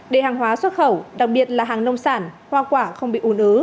để hàng hóa xuất khẩu đặc biệt là hàng nông sản hoa quả không bị ủn ứ